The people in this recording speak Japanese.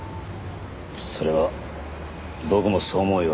それは僕もそう思うよ。